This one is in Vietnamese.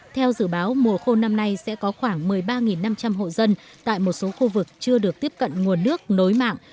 theo dự báo mùa khô năm nay sẽ có khoảng một mươi ba năm trăm linh hộ dân tại một số khu vực chưa được tiếp cận nguồn nước nối mạng